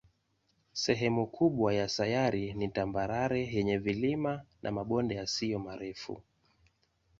Sehemu kubwa ya sayari ni tambarare yenye vilima na mabonde yasiyo marefu.